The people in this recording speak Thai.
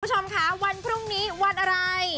คุณผู้ชมค่ะวันพรุ่งนี้วันอะไร